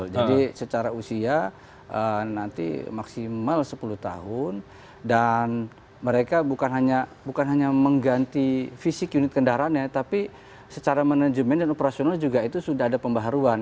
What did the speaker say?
jadi secara usia nanti maksimal sepuluh tahun dan mereka bukan hanya mengganti fisik unit kendaraannya tapi secara manajemen dan operasional juga itu sudah ada pembaruan